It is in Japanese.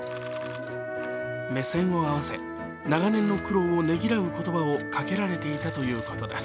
目線を合わせ、長年の苦労をねぎらう言葉をかけられていたということです。